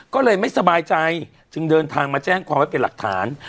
ก็เลยไม่สบายใจจึงเดินทางมาแจ้งความไว้เป็นหลักฐาน